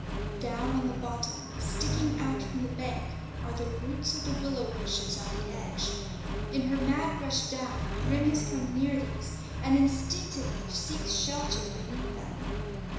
Down on the bottom, sticking out from the bank, are the roots of the willow bushes on the edge. In her mad rush down, Grim has come near these, and instinctively seeks shelter beneath them.